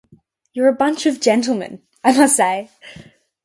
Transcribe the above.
You're a bunch of gentlemen, I must say!